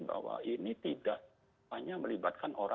bahwa ini tidak hanya